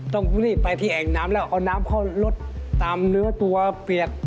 ต้องรีบไปที่แอ่งน้ำแล้วเอาน้ำเข้ารถตามเนื้อตัวเปียก